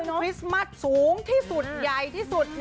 คริสต์มัสสูงที่สุดใหญ่ที่สุด